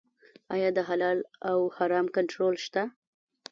آیا د حلال او حرام کنټرول شته؟